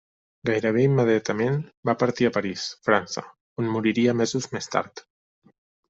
Gairebé immediatament va partir a París, França, on moriria mesos més tard.